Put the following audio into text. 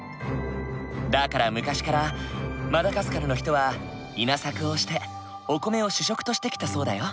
だから昔からマダガスカルの人は稲作をしてお米を主食としてきたそうだよ。